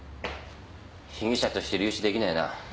被疑者として留置できないな。